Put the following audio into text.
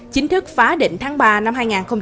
chính thức phá đỉnh tháng ba năm hai nghìn hai mươi hai